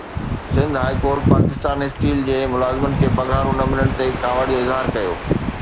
Sindh high court Pakistan steel جي ملازمن کي پگهارون نه ملڻ تي ڪاوڙ جو اظهار ڪيو